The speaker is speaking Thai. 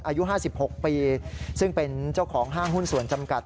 อายุห้าสิบหกปีซึ่งเป็นเจ้าของ๕หุ้นส่วนจำกัด